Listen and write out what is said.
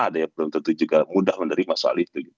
ada yang belum tentu juga mudah menerima soal itu